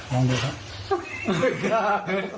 ลองดูครับ